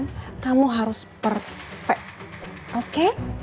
dan kamu harus perfect oke